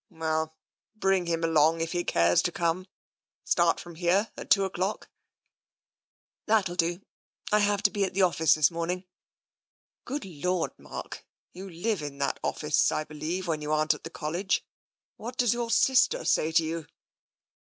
" Well, bring him along, if he cares to come. Start from here at two o'clock ?"" That'll do. I have to be at the office this morn mg.' " Good Lord, Mark, you live at that office, I believe, when you aren't at the College. What does your sister say to you